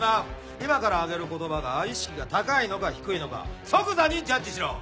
今から挙げる言葉が意識が高いのか低いのか即座にジャッジしろ！